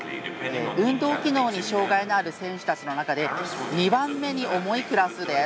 運動機能に障がいのある選手たちの中で２番目に重いクラスです。